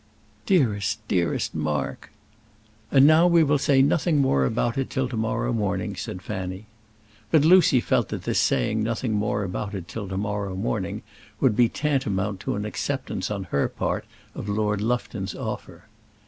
"Dearest, dearest Mark!" "And now we will say nothing more about it till to morrow morning," said Fanny. But Lucy felt that this saying nothing more about it till to morrow morning would be tantamount to an acceptance on her part of Lord Lufton's offer.